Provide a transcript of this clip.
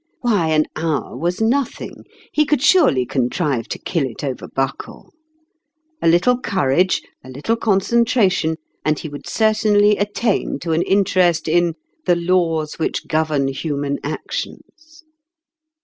Why, an hour was nothing ; he could surely contrive to kill it over Buckle ! A little courage, a little concentration, and he would certainly attain to an interest in "the laws which govern human actions."